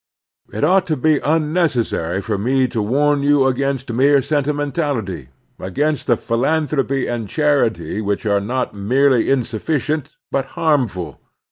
It ought not to be necessary for me to warn you against mere sentimentality, against the philan thropy and charity which are not merely insuf ficient but harmful.